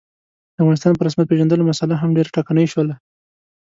د افغانستان په رسمیت پېژندلو مسعله هم ډېره ټکنۍ شوله.